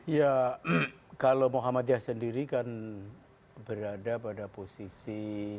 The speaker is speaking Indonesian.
ya kalau muhammadiyah sendiri kan berada pada posisi